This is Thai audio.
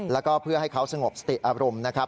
แล้วก็เพื่อให้เขาสงบสติอารมณ์นะครับ